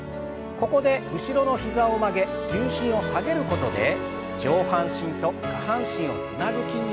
ここで後ろの膝を曲げ重心を下げることで上半身と下半身をつなぐ筋肉をストレッチします。